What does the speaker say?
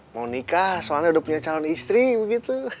monika soalnya udah punya calon istri begitu